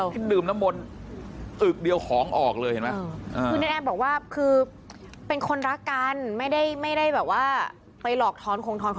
อ้วกเลยอย่างเงี้ยนะคะอ่านี่มันขึ้นเข้าไปขึ้นเข้าไปทั้งหมด